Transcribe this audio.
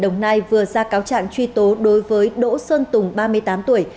đồng nai vừa ra cáo trạng truy tố đối với đỗ sơn tùng ba mươi tám tuổi